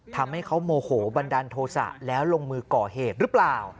ทำให้เขาโมโหบันดาลโทษะแล้วลงมือก่อเหตุหรือเปล่า